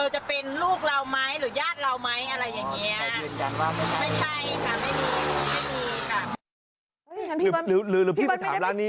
จะเป็นลูกเราไหมหรือญาติเราไหมอะไรอย่างนี้